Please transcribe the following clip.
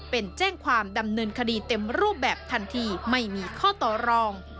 เป็นแจ้งความดำเนินคดีเต็มรูปแบบทันทีไม่มีข้อต่อรอง